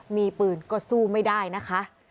มีปืนก็สู้ไม่ได้นะคะ